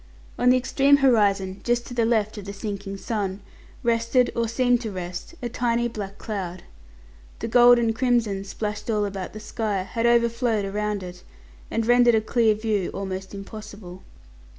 On the extreme horizon, just to the left of the sinking sun, rested, or seemed to rest, a tiny black cloud. The gold and crimson, splashed all about the sky, had overflowed around it, and rendered a clear view almost impossible.